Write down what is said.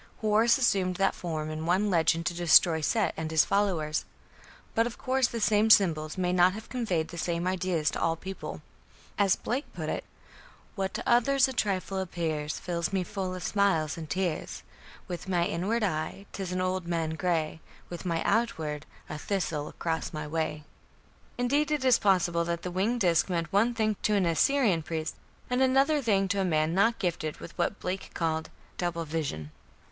Horus assumed that form in one legend to destroy Set and his followers. But, of course, the same symbols may not have conveyed the same ideas to all peoples. As Blake put it: What to others a trifle appears Fills me full of smiles and tears.... With my inward Eye, 't is an old Man grey, With my outward, a Thistle across my way. Indeed, it is possible that the winged disc meant one thing to an Assyrian priest, and another thing to a man not gifted with what Blake called "double vision".